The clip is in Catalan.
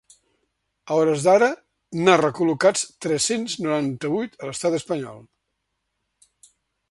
A hores d’ara n’ha recol·locats tres-cents noranta-vuit a l’estat espanyol.